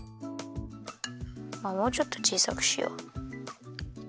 もうちょっとちいさくしよう。